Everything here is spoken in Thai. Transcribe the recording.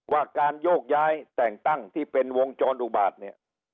ว่าการโยกย้ายแต่งตั้งที่เป็นวงจรอุบาตเนี่ย